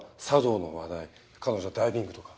彼女はダイビングとか。